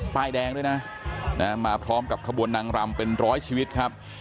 ป้ายแดงด้วยนะมาพร้อมกับขบวนนางรำเป็นร้อยชีวิตครับ